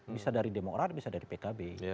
bisa dari demokrat bisa dari pkb